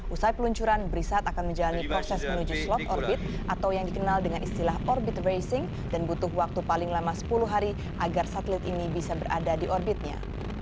usai peluncuran brisat akan menjalani proses menuju slot orbit atau yang dikenal dengan istilah orbit racing dan butuh waktu paling lama sepuluh hari agar satelit ini bisa berada di orbitnya